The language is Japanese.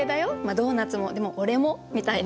ドーナツもでも俺もみたいな。